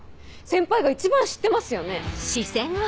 先輩が一番知ってますよね。